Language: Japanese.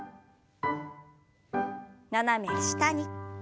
斜め下に。